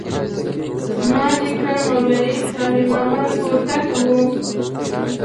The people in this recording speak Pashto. زما نیکه مولوي صالح محمد هوتک و.